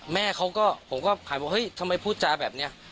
แม่เค้าก็ผมก็ห่านมาฮึ้ยสมัยพูดจาแบบเนี่ย